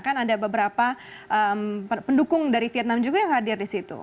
kan ada beberapa pendukung dari vietnam juga yang hadir di situ